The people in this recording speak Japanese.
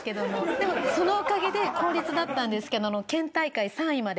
でもそのおかげで公立だったんですけど県大会３位まで。